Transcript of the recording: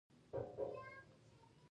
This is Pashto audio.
په زړه ظالم پر شنه آسمان غزل ولیکم.